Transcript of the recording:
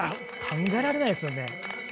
考えられないですよね。